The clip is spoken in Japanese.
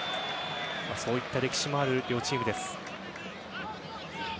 そういった歴史もある両チームです。